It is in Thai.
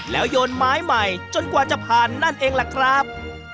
แล้วโยนไม้ใหม่จนกว่าจะผ่านนั่นเองล่ะครับ